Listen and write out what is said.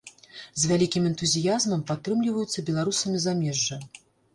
З вялікім энтузіязмам падтрымліваюцца беларусамі замежжа.